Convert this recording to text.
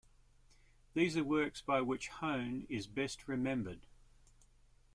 These are the works by which Hone is best remembered.